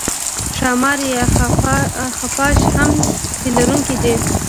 ښامار یا خفاش هم تی لرونکی دی